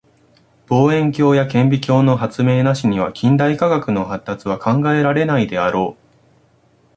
望遠鏡や顕微鏡の発明なしには近代科学の発達は考えられないであろう。